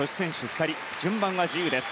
２人順番は自由です。